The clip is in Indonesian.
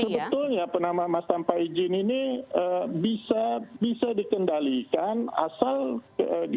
nah sebetulnya penambangan emas tanpa izin ini bisa dikendalikan asal dipengaruhi